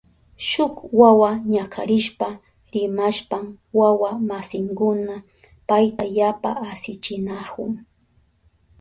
Shuk wawa ñakarishpa rimashpan wawa masinkuna payta yapa asichinahun.